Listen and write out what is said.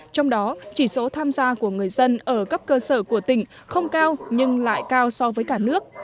trong đó chỉ số tham gia của người dân ở cấp cơ sở của tỉnh không cao nhưng lại cao so với cả nước